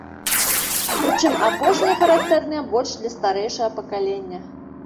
Прычым апошнія характэрныя больш для старэйшага пакалення.